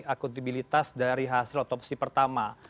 akuntabilitas dari hasil otopsi pertama